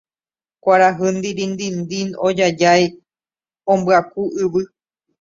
kuarahy ndirindindin ojajái ombyaku yvy